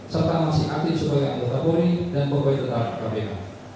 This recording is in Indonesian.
serta masih aktif sebagai anggota polri dan pegawai tetap kpk